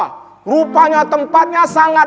semalam mereka nggak bangun tiga malam nggak